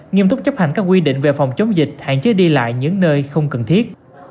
nghiêm túc chấp hành các quy định về phòng chống dịch hạn chế đi lại những nơi không cần thiết